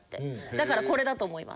だからこれだと思います。